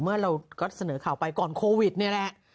เราก็เสนอข่าวไปก่อนโควิดนี่แหละ